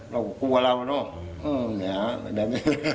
เราก็กลัวเราเนาะ